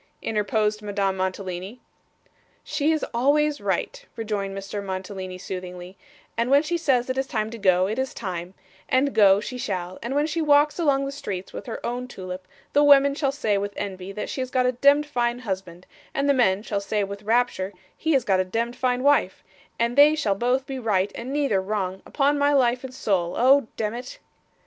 interposed Madame Mantalini. 'She is always right,' rejoined Mr. Mantalini soothingly, 'and when she says it is time to go, it is time, and go she shall; and when she walks along the streets with her own tulip, the women shall say, with envy, she has got a demd fine husband; and the men shall say with rapture, he has got a demd fine wife; and they shall both be right and neither wrong, upon my life and soul oh demmit!